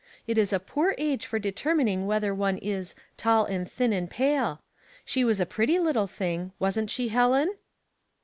It is a poor age for de termining whether one is, ' tail and thin and pale.' She was a pretty little thing; wasn't she, Helen